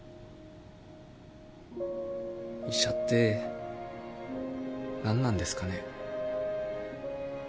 医者って何なんですかね。